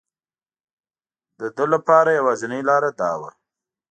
ده لپاره یوازینی لاره دا وه.